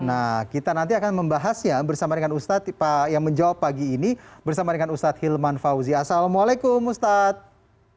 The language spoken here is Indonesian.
nah kita nanti akan membahasnya bersama dengan ustadz yang menjawab pagi ini bersama dengan ustadz hilman fauzi assalamualaikum ustadz